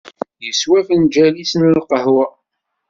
Yeswa afenǧal-is n lqahwa.